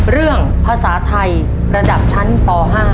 เรื่องภาษาไทยระดับชั้นป๕